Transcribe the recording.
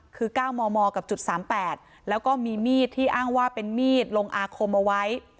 คือ๙มมกับจุด๓๘แล้วก็มีมีดที่อ้างว่าเป็นมีดลงอาคมเอาไว้